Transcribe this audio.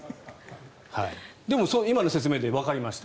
でも、今の説明でわかりました。